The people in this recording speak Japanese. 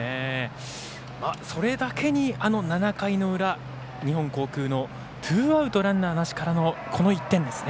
それだけに、あの７回の裏日本航空のツーアウトランナーなしからのこの１点ですね。